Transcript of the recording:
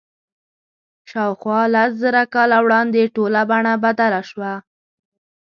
شاوخوا لس زره کاله وړاندې ټوله بڼه بدله شوه.